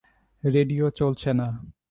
Radio চলছে না।